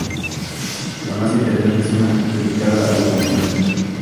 La más interesante es una dedicada a "La Familia".